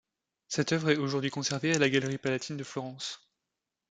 Cette œuvre est aujourd'hui conservée à la galerie Palatine de Florence.